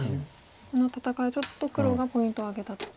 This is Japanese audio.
この戦いはちょっと黒がポイントを挙げたと。